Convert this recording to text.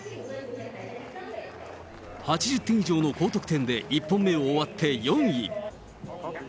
８０点以上の高得点で１本目を終わって４位。